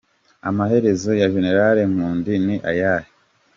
Amaherezo ya Gen. Nkunda ni ayahe?